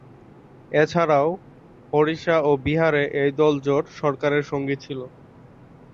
এছাড়াও ওড়িশা ও বিহারে এই দল জোট সরকারের সঙ্গী ছিল।